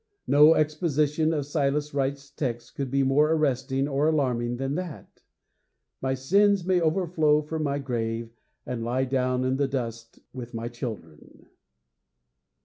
No exposition of Silas Wright's text could be more arresting or alarming than that. My sins may overflow from my grave and lie down in the dust with my children!